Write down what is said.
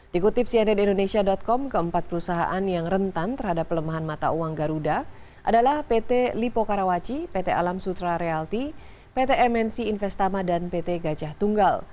dikutip cnn indonesia com keempat perusahaan yang rentan terhadap pelemahan mata uang garuda adalah pt lipo karawaci pt alam sutra reality pt mnc investama dan pt gajah tunggal